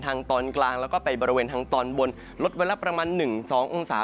ตอนกลางแล้วก็ไปบริเวณทางตอนบนลดวันละประมาณ๑๒องศา